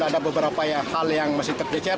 ada beberapa hal yang masih terkejar